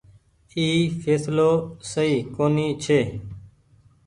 اي ڦيسلو سئي ڪونيٚ ڇي۔